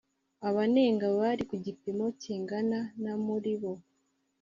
Abanenga bari ku gipimo kingana na muri bo